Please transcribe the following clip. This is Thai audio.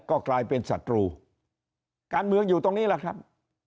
ก็กลายเป็นศัตรูการเมืองอยู่ตรงนี้แหละครับ